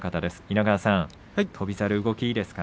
稲川さん、翔猿、動きいいですか。